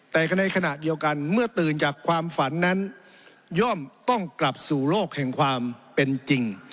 แต่ในขณะเดียวกันเมื่อตื่นจากความฝันนั้นย่อมต้องกลับสู่โลกแห่งความเป็นจริง